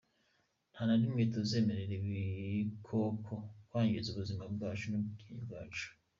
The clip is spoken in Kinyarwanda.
Nta na rimwe tuzemerera ibikoko kwangiza ubuzima bwacu n’ubwigenge bwacu.